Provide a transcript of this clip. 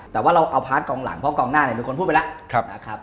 แต่ว่าเราเอาพาร์ทกองหลังเพราะว่ากองหน้าเป็นคนพูดไปแล้ว